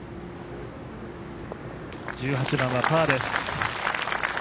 １８番はパーです。